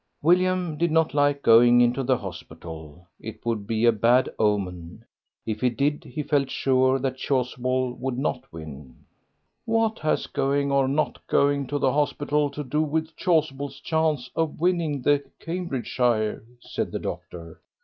William did not like going into the hospital; it would be a bad omen. If he did, he felt sure that Chasuble would not win. "What has going or not going to the hospital to do with Chasuble's chance of winning the Cambridgeshire?" said the doctor.